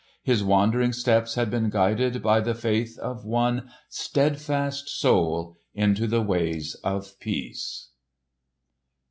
His wandering steps had been guided by the faith of one steadfast soul into the ways of peace.